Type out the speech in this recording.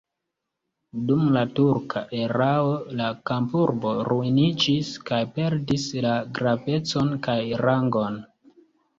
Dum la turka erao la kampurbo ruiniĝis kaj perdis la gravecon kaj rangon.